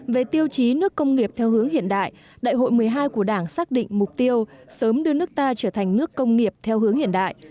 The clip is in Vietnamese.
về tiêu chí nước công nghiệp theo hướng hiện đại đại hội một mươi hai của đảng xác định mục tiêu sớm đưa nước ta trở thành nước công nghiệp theo hướng hiện đại